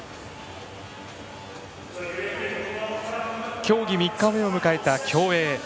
競技３日目を迎えた競泳。